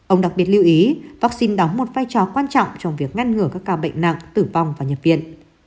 ông đặc biệt lưu ý vaccine đóng một vai trò quan trọng trong việc ngăn ngừa các ca bệnh nặng tử vong và nhập viện